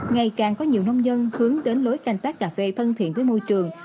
ngày càng có nhiều nông dân hướng đến lối canh tác cà phê thân thiện với môi trường